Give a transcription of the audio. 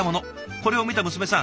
これを見た娘さん